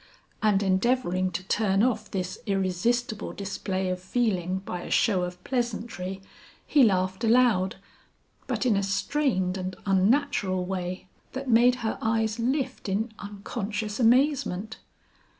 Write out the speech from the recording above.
And endeavoring to turn off this irresistible display of feeling by a show of pleasantry he laughed aloud, but in a strained and unnatural way that made her eyes lift in unconscious amazement.